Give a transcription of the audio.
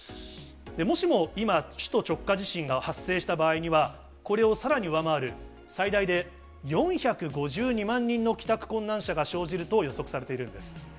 もしも今、首都直下地震が発生した場合には、これをさらに上回る最大で４５２万人の帰宅困難者が生じると予測されているんです。